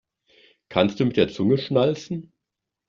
Kannst du mit der Zunge schnalzen?